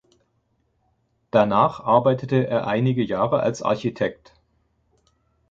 Danach arbeitete er einige Jahre als Architekt.